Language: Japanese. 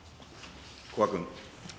古賀君。